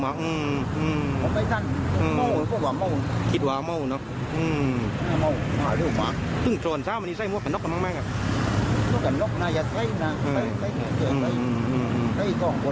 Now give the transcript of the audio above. ก็กันบ้างสั่งให้นะ